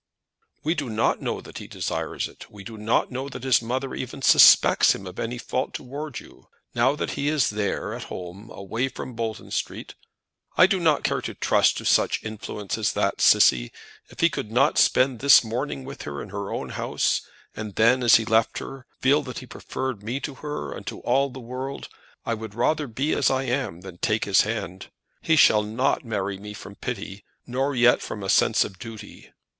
"We do not know that he desires it. We do not know that his mother even suspects him of any fault towards you. Now that he is there, at home, away from Bolton Street " "I do not care to trust to such influences as that, Cissy. If he could not spend this morning with her in her own house, and then as he left her feel that he preferred me to her, and to all the world, I would rather be as I am than take his hand. He shall not marry me from pity, nor yet from a sense of duty.